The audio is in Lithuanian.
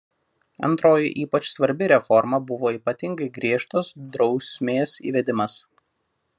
Antroji ypač svarbi reforma buvo ypatingai griežtos drausmės įvedimas.